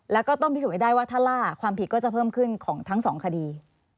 แล้วก็ต้องพิสูจนให้ได้ว่าถ้าล่าความผิดก็จะเพิ่มขึ้นของทั้งสองคดี